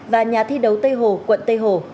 và nhà thi đấu tây hồ quận tây hồ